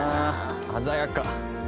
鮮やか。